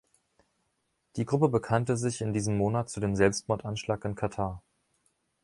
Die Gruppe bekannte sich in diesem Monat zu dem Selbstmordanschlag in Katar.